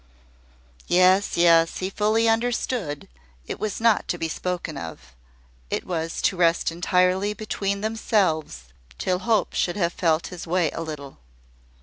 Yes, yes; he fully understood: it was not to be spoken of; it was to rest entirely between themselves till Hope should have felt his way a little.